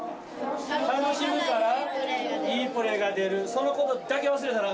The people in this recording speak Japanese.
楽しむからいいプレーが出る、そのことだけ忘れたらあ